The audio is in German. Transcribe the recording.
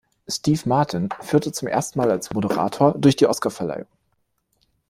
Steve Martin führte zum ersten Mal als Moderator durch die Oscarverleihung.